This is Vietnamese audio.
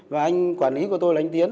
và anh quản lý của tôi là anh tiến